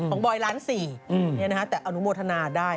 ของบอยล้านสี่เนี่ยนะฮะแต่อนุโมทนาได้